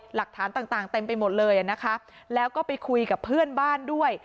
หลักฐานต่างเต็มไปหมดเลยอ่ะนะคะแล้วก็ไปคุยกับเพื่อนบ้านด้วย